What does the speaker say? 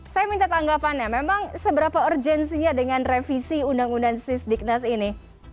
saya minta tanggapannya memang seberapa urgensinya dengan revisi undang undang sis di kinas ini